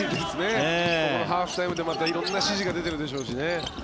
ハーフタイムで色んな指示が出ているでしょうしね。